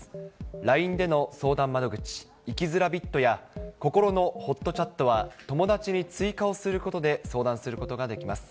ＬＩＮＥでの相談窓口、生きづらびっとや、こころのほっとチャットは、友達に追加をすることで相談することができます。